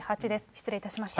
失礼いたしました。